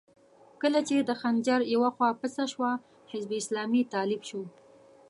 کله چې د خنجر يوه خوا پڅه شوه، حزب اسلامي طالب شو.